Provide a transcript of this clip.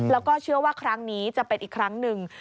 แล้วก็เชื่อว่าครั้งนี้จะเป็นอีกครั้งหนึ่ง